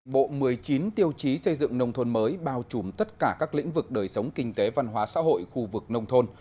bộ một mươi chín tiêu chí xây dựng nông thôn mới bao trùm tất cả các lĩnh vực đời sống kinh tế văn hóa xã hội khu vực nông thôn